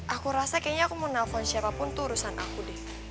aku rasa kayaknya aku mau nelfon siapapun tuh urusan aku deh